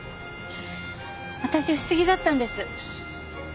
私不思議だったんです。